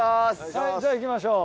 はいじゃあ行きましょう。